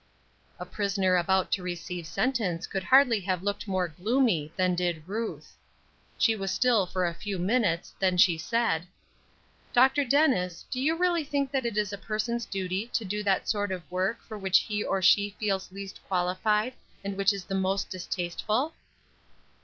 A prisoner about to receive sentence could hardly have looked more gloomy than did Ruth. She was still for a few minutes, then she said: "Dr. Dennis, do you really think it is a person's duty to do that sort of work for which he or she feels least qualified, and which is the most distasteful?"